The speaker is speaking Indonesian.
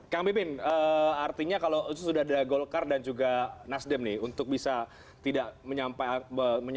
kang pipin artinya kalau sudah ada golkar dan juga nasdem nih untuk bisa tidak menyampaikan